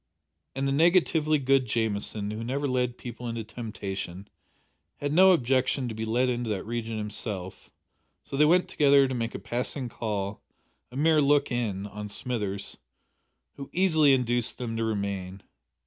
And the negatively good Jamieson, who never led people into temptation, had no objection to be led into that region himself, so they went together to make a passing call a mere look in on Smithers, who easily induced them to remain.